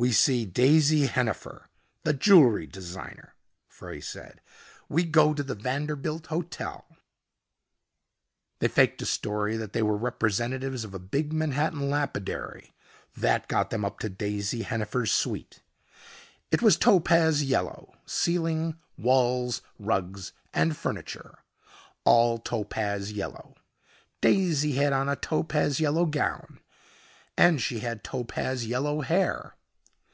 "We see Daisy Hennifer, the jewelry designer," Frey said. "We go to the Vanderbilt Hotel." They faked a story that they were representatives of a big Manhattan lapidary. That got them up to Daisy Hennifer's suite. It was topaz yellow, ceiling, walls, rugs and furniture all topaz yellow. Daisy had on a topaz yellow gown and she had topaz yellow hair.